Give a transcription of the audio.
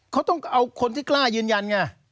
เขาต้องเอาคนที่กล้ายืนยันไง